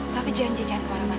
tapi janji jangan kemana mana